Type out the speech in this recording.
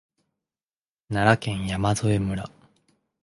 奈良県山添村